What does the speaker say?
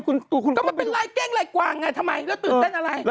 ก็มันเป็นลายเก้งไล่กวางไงทำไมแล้วตื่นเต้นอะไร